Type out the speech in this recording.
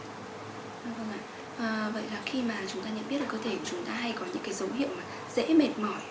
vâng vậy là khi mà chúng ta nhận biết là cơ thể của chúng ta hay có những cái dấu hiệu dễ mệt mỏi